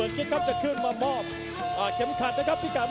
และตอนนี้อยากเอาเลยมาถามเชิญพี่กัด